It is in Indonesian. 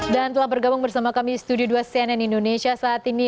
dan telah bergabung bersama kami di studio dua cnn indonesia saat ini